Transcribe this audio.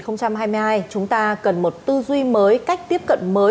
bước sang năm hai nghìn hai mươi hai chúng ta cần một tư duy mới cách tiếp cận mới